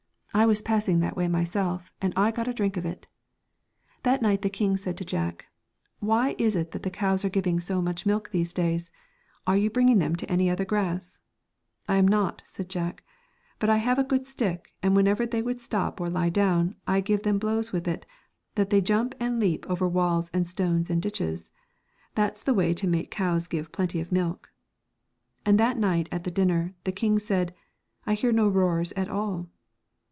I was passing that way myself, and I got a drink of it. That night the king said to Jack, ' Why is it the cows are giving so much milk 217 The these days ? Are you bringing them to Twilight, any other grass ?' 'I am not,' said Jack, 1 but I have a good stick, and whenever they would stop still or lie down, I give them blows of it, that they jump and leap over walls and stones and ditches ; that's the way to make cows give plenty of milk.' And that night at the dinner, the king said, ' I hear no roars at all.'